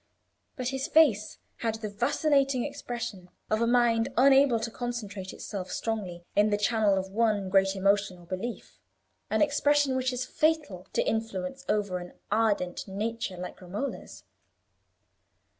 But his face had the vacillating expression of a mind unable to concentrate itself strongly in the channel of one great emotion or belief—an expression which is fatal to influence over an ardent nature like Romola's.